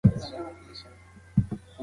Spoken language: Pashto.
آس په ډېرې آرامۍ سره د خپل مېړه په لور وکتل.